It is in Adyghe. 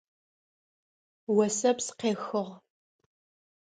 Осэпс къехыгъ.